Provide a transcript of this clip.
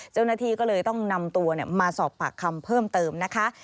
เจ้าหน้าที่ก็เลยต้องนำตัวมาสอบปากคำเพิ่มเติมนะคะ